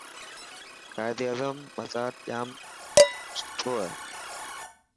قائداعظم مزار ڄام سٺوهي.